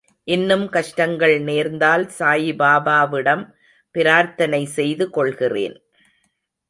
இன்னும் கஷ்டங்கள் நேர்ந்தால் சாயிபாபாவிடம் பிரார்த்தனை செய்து கொள்கிறேன்.